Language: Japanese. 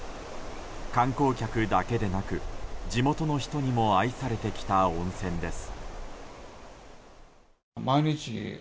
観光客だけでなく地元の人にも愛されてきた温泉です。